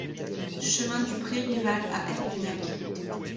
Chemin du Pré Rival à Herbignac